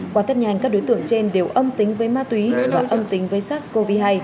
qua tết nhanh các đối tượng trên đều âm tính với ma túy và âm tính với sars cov hai